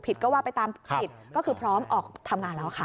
ก็ว่าไปตามผิดก็คือพร้อมออกทำงานแล้วค่ะ